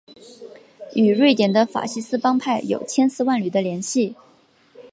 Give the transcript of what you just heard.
与瑞典的法西斯帮派有千丝万缕的联系。